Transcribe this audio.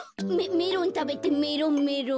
メロンたべてメロンメロン。